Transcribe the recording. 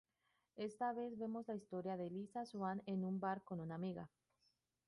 Esta vez vemos la historia de Lisa Swan, en un bar con una amiga.